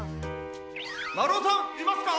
まるおさんいますか？